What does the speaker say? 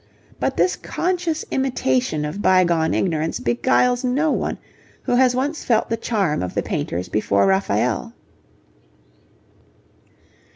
But this conscious imitation of bygone ignorance beguiles no one who has once felt the charm of the painters before Raphael.